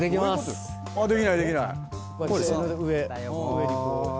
上にこう。